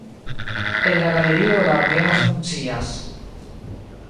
En la galerio la orgeno funkcias.